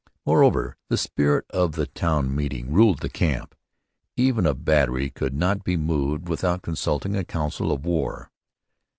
Moreover, the spirit of the 'town meeting' ruled the camp. Even a battery could not be moved without consulting a council of war.